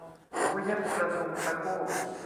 เอาไว้เย็บกระทงตะโก้